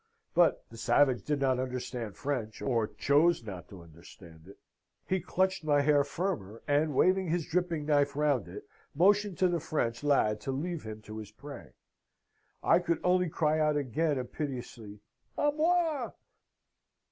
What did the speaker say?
But the savage did not understand French, or choose to understand it. He clutched my hair firmer, and waving his dripping knife round it, motioned to the French lad to leave him to his prey. I could only cry out again and piteously, 'A moi!'